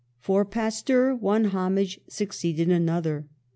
For Pasteur, one homage succeeded another.